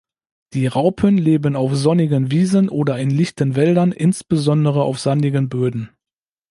Die Raupen leben auf sonnigen Wiesen oder in lichten Wäldern, insbesondere auf sandigen Böden.